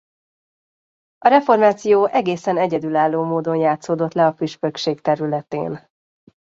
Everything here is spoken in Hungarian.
A reformáció egészen egészen egyedülálló módon játszódott le a püspökség területén.